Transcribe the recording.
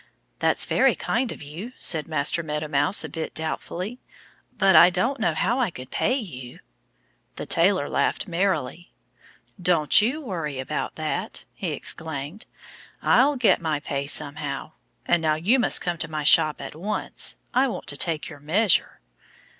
"That's very kind of you," said Master Meadow Mouse a bit doubtfully. "But I don't know how I could pay you." The tailor laughed merrily. "Don't you worry about that!" he exclaimed. "I'll get my pay somehow. And now you must come to my shop at once. I want to take your measure."